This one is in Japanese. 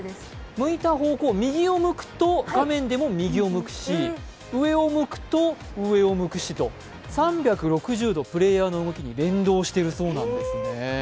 向いた方向、右を向くと、画面でも右を向くし、上を向くと上を向くしと、３６０度プレイヤーの動きに連動しているそうなんですね。